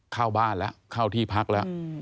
เข้าบ้านแล้วเข้าที่พักแล้ว